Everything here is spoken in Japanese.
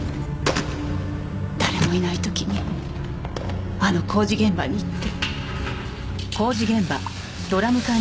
誰もいない時にあの工事現場に行って。